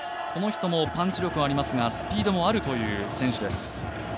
この人もパンチ力がありますが、スピードがあるという選手です。